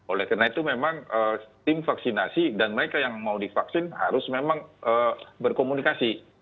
oleh karena itu memang tim vaksinasi dan mereka yang mau divaksin harus memang berkomunikasi